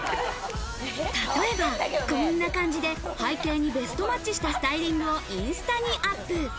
例えば、こんな感じで背景にベストマッチしたスタイリングをインスタにアップ。